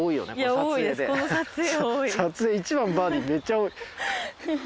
撮影１番バーディめっちゃ多い。